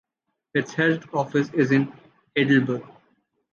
Its head office is in Heidelberg.